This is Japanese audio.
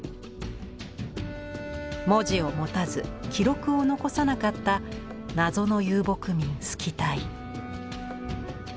文字を持たず記録を残さなかった謎の遊牧民スキタイ。